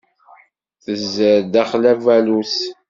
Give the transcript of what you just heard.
Tezzer daxel ubaluṣ.